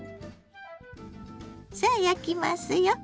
さあ焼きますよ。